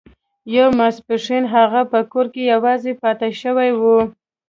یو ماسپښین هغه په کور کې یوازې پاتې شوی و